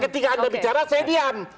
ketika anda bicara saya diam